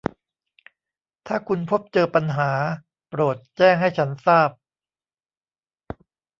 ถ้าคุณพบเจอปัญหา โปรดแจ้งให้ฉันทราบ